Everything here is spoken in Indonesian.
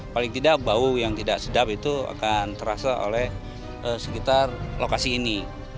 paling tidak bau yang tidak sedap itu akan terasa oleh sekitar lokasi ini